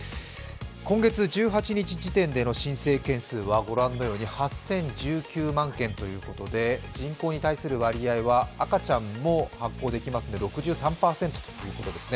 今月１８日時点での申請件数はご覧のように８０１９万件ということで人口に対する割合は赤ちゃんも発行できますので６３％ということですね。